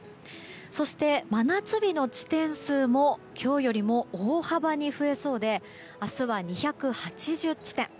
そして、真夏日の地点数も今日よりも大幅に増えそうで明日は２８０地点。